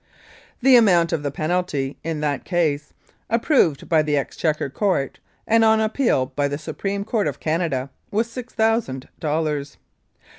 The amount of the penalty in that case, approved by the Exchequer Court, and, on appeal, by the Supreme Court of Canada, was six thousand dollars.